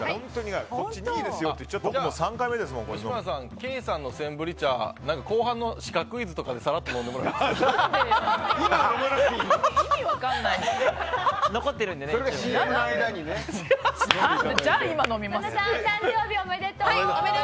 ケイさんのセンブリ茶後半のシカクイズとかでさらっと飲んでもらったほうが。